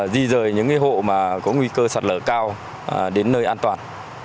di rời những hộ mà có nguy cơ sạt lở cao đến nơi an toàn